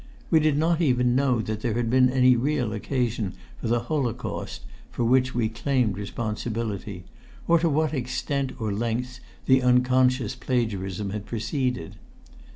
We did not even know that there had been any real occasion for the holocaust for which we claimed responsibility, or to what extent or lengths the unconscious plagiarism had proceeded.